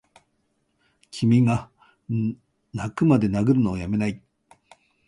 君がッ泣くまで殴るのをやめないッ！